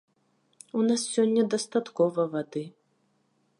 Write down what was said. У нас сёння дастаткова вады.